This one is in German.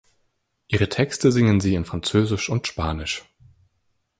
Ihre Texte singen sie in Französisch und Spanisch.